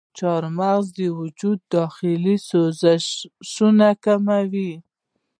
چارمغز د وجود داخلي سوزشونه کموي.